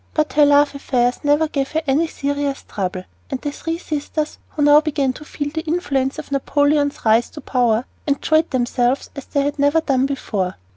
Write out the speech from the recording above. But her love affairs never gave her any serious trouble; and the three sisters, who now began to feel the influence of Napoleon's rise to power, enjoyed themselves as they had never done before.